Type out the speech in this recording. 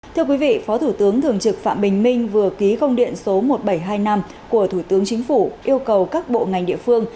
thưa quý vị phó thủ tướng thường trực phạm bình minh vừa ký công điện số một nghìn bảy trăm hai mươi năm của thủ tướng chính phủ yêu cầu các bộ ngành địa phương